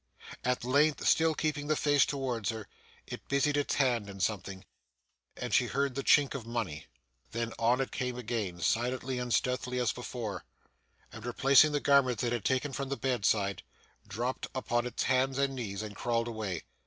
At length, still keeping the face towards her, it busied its hands in something, and she heard the chink of money. Then, on it came again, silent and stealthy as before, and replacing the garments it had taken from the bedside, dropped upon its hands and knees, and crawled away.